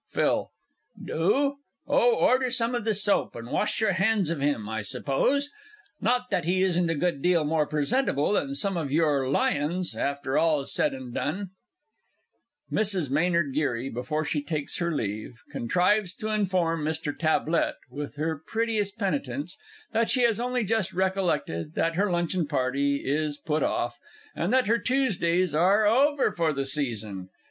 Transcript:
PHIL. Do? Oh, order some of the soap, and wash your hands of him, I suppose not that he isn't a good deal more presentable than some of your lions, after all's said and done! [MRS. M. G., before she takes her leave, contrives to inform MR. TABLETT, _with her prettiest penitence, that she has only just recollected that her luncheon party is put off, and that her Tuesdays are over for the Season.